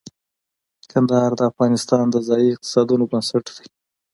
کندهار د افغانستان د ځایي اقتصادونو بنسټ دی.